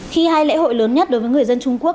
khi hai lễ hội lớn nhất đối với người dân trung quốc